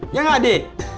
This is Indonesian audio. iya gak di